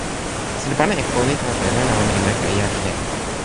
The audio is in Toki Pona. sina pana e ko ni tawa telo la ona li weka e jaki len.